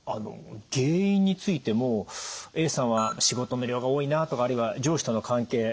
原因についてもＡさんは仕事の量が多いなとかあるいは上司との関係